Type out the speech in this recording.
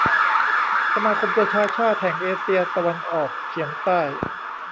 สมาคมประชาชาติแห่งเอเชียตะวันออกเฉียงใต้